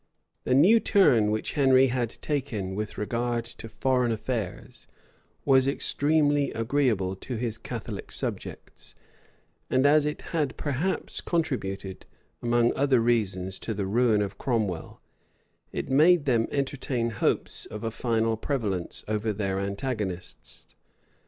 * Père Daniel. Du Tillet. The new turn which Henry had taken with regard to foreign affairs was extremely agreeable to his Catholic subjects; and as it had perhaps contributed, among other reasons, to the ruin of Cromwell, it made them entertain hopes of a final prevalence over their antagonists.